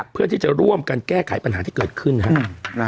เพื่อที่จะร่วมกันแก้ไขปัญหาที่เกิดขึ้นนะครับ